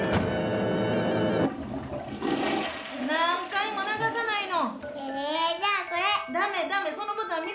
何回も流さないの。